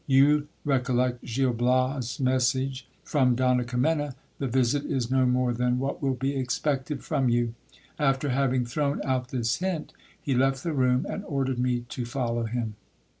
You recollect Gil Bias' message from Donna Kimena, the visit is no more than what will be expected from you. After having thrown out this hint, he left the room, and ordered me to follow him.